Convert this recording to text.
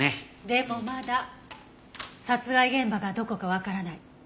でもまだ殺害現場がどこかわからない。